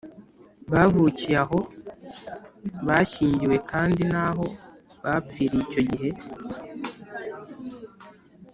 bavukiye aho bashyingiwe kandi naho bapfiriye icyo gihe